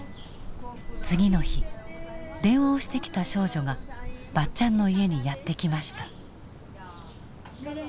次の日電話をしてきた少女がばっちゃんの家にやって来ました。